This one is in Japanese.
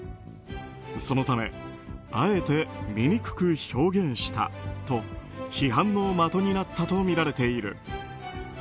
そのため、あえて醜く表現したと批判の的になったとみられている。